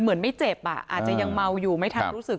เหมือนไม่เจ็บอ่ะอาจจะยังเมาอยู่ไม่ทันรู้สึก